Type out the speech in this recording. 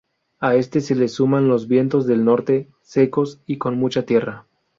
A esto se le suman los vientos del norte, secos y con mucha tierra.